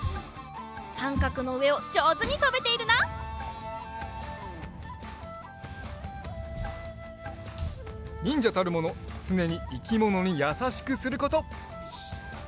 さんかくのうえをじょうずにとべているな。にんじゃたるものつねにいきものにやさしくすること。